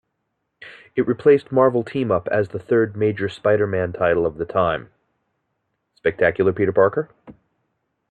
It replaced "Marvel Team-Up" as the third major Spider-Man title of the time.